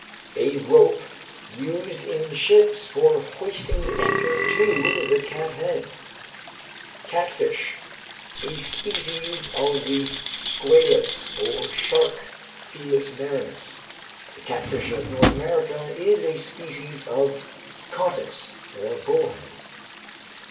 _ A rope used in ships for hoisting the anchor to the cat head. Catfish. A species of the squalus, or shark (Felis marinus). The catfish of North America is a species of cottus, or bull head.